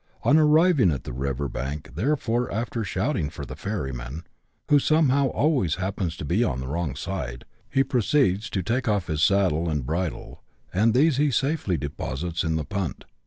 On arriving at the river bank, therefore, after shouting for the ferry man, who somehow always happens to be on the wrong side, he proceeds to take off his saddle and bridle, and these he safely deposits in the punt.